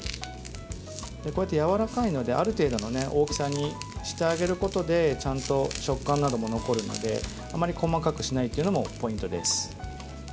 こうやって、やわらかいのである程度の大きさにしてあげることでちゃんと食感なども残るのであまり細かくしないというのもポイントです。